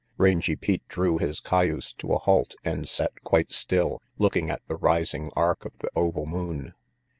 Rangy Pete drew his cayuse to a halt and sat quite still, looking at the rising arc of the oval moon.